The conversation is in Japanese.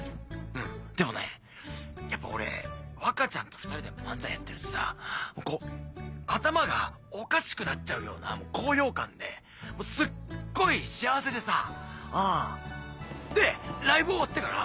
うんでもねやっぱ俺若ちゃんと２人で漫才やってるとさこう頭がおかしくなっちゃうような高揚感でもうすっごい幸せでさうんでライブ終わってから。